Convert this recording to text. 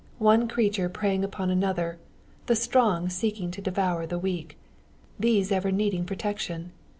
One creature preying upon another the strong seeking to devour the weak these ever needing protection!